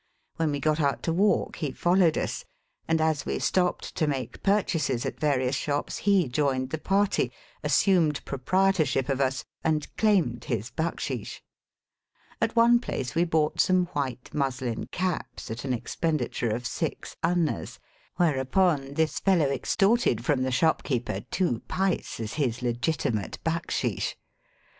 When we got out to walk he followed us, and as we stopped to make purchases at various shops he joined the party, assumed proprietor ship of us, and claimed his backsheesh. At one place we bought some white muslin caps at an expenditure of six annas, whereupon this fellow extorted from the shopkeeper two* pice as his legitimate backsheesh.